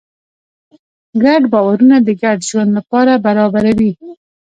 ګډ باورونه د ګډ ژوند لاره برابروي.